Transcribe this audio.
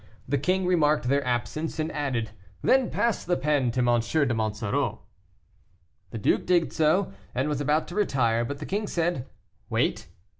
The king remarked their absence, and added, "Then pass the pen to M. de Monsoreau." The duke did so, and was about to retire, but the king said, "Wait."